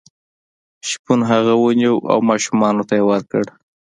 شپون هغه ونیو او ماشومانو ته یې ورکړ.